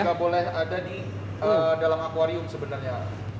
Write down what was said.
nggak boleh ada di dalam akwarium sebenarnya